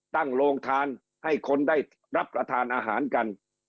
ตั้งโรงทานให้คนได้รับประทานอาหารกัน